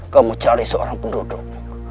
kamu cari seorang penduduk